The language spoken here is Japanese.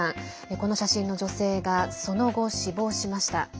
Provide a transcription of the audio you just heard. この写真の女性がその後、死亡しました。